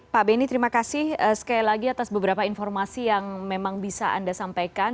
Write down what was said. pak benny terima kasih sekali lagi atas beberapa informasi yang memang bisa anda sampaikan